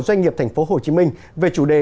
doanh nghiệp tp hcm về chủ đề